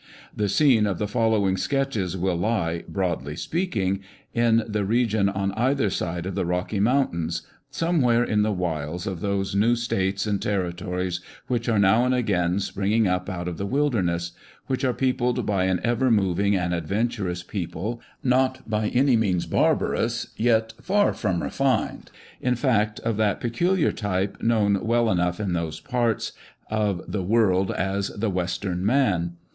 The scene of the following sketches will lie, broadly speaking, in the region on either side of the Rocky Moun tains ; somewhere in the wilds of those new states and territories which are now and again springing up out of the wilderness ; which are peopled by an ever moving and adventurous people, not by any means barbarous, yet far from refined — in fact, of that peculiar type known well enough in those parts of the world as the "western man."